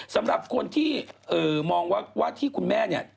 สำหรับคนที่มองว่าที่คุณแม่เนี่ย